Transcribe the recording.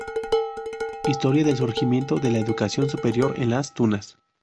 Historia del surgimiento de la Educación Superior en Las Tunas.